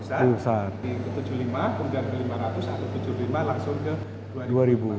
ke tujuh puluh lima ke lima ratus ke tujuh puluh lima langsung ke dua ribu